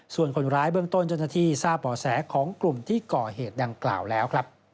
ส่วนคนร้ายเบื้องต้นเจ้าหน้าที่ทราบบ่อแสของกลุ่มที่ก่อเหตุดังกล่าวแล้วครับ